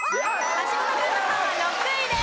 橋本環奈さんは６位です。